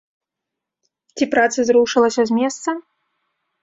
Ці праца зрушылася з месца?